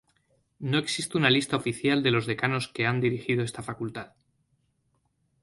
No existe una lista oficial de los decanos que han dirigido esta Facultad.